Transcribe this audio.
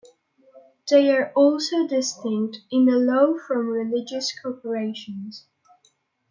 They are also distinct in the law from religious corporations.